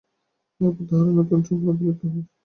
এরপর তারা নতুন চক্রান্তে লিপ্ত হয়।